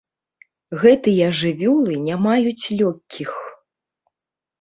Гэтыя жывёлы не маюць лёгкіх.